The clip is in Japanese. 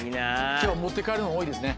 今日は持って帰るの多いですね。